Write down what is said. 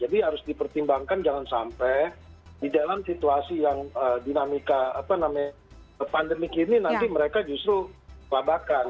jadi harus dipertimbangkan jangan sampai di dalam situasi yang dinamika apa namanya pandemi kini nanti mereka justru kelabakan